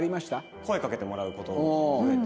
声かけてもらう事が増えて。